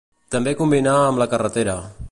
També combinà amb la carretera.